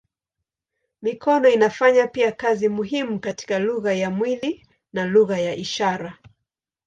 Mikono inafanya pia kazi muhimu katika lugha ya mwili na lugha ya ishara.